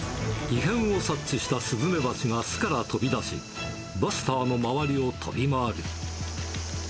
異変を察知したスズメバチが巣から飛び出し、バスターの周りを飛び回る。